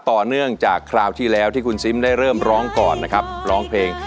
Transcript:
ต่อเนื่องจากคราวที่แล้วที่คุณซิมได้เริ่มร้องก่อนนะครับร้องเพลง